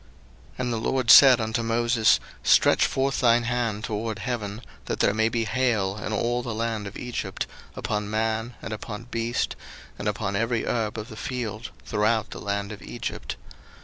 02:009:022 And the LORD said unto Moses, Stretch forth thine hand toward heaven, that there may be hail in all the land of Egypt, upon man, and upon beast, and upon every herb of the field, throughout the land of Egypt.